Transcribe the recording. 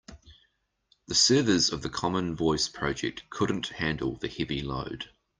The servers of the common voice project couldn't handle the heavy load.